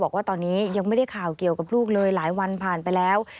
บอกว่าตอนนี้ยังไม่ได้ข่าวเกี่ยวกับลูกเลยหลายวันผ่านไปแล้ว